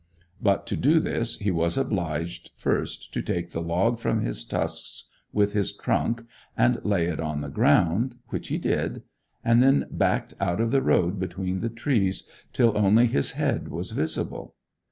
But to do this, he was obliged first to take the log from his tusks with his trunk, and lay it on the ground, which he did, and then backed out of the road between the trees till only his head was visible.